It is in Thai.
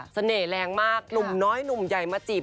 แรงมากหนุ่มน้อยหนุ่มใหญ่มาจีบ